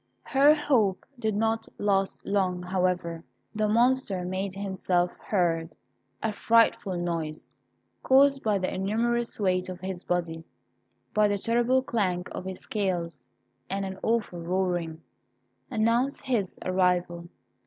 Her hope did not last long, however. The Monster made himself heard. A frightful noise, caused by the enormous weight of his body, by the terrible clank of his scales, and an awful roaring, announced his arrival.